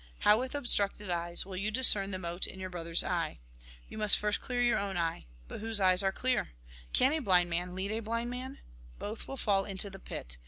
How, with ob structed eyes, will you discern the mote in your brother's eye ? You must first clear your own eye. But whose eyes are clear ? Can a blind man lead a blind man ? Both will fall into the pit.